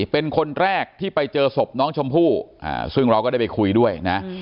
เป็นคนแรกที่ไปเจอศพน้องชมพู่ซึ่งเราก็ได้ไปคุยด้วยนะ